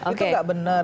itu nggak benar